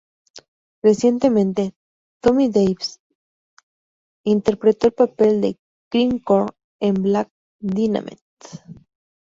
Recientemente, Tommy Davidson interpretó el papel de Cream Corn en "Black Dynamite".